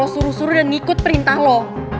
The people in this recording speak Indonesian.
lo suruh suruh dan ikut perintah lo